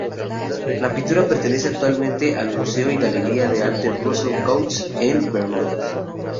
La pintura pertenece actualmente al Museo y Galería de Arte Russell-Cotes en Bournemouth.